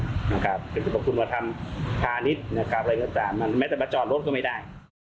เป็นประคุมว่าทำพาณิชย์อะไรก็ตามแม้แต่มาจอดรถก็ไม่ได้